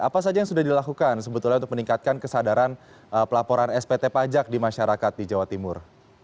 apa saja yang sudah dilakukan sebetulnya untuk meningkatkan kesadaran pelaporan spt pajak di masyarakat di jawa timur